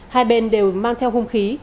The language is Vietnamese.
hai bên đều mang theo hung khí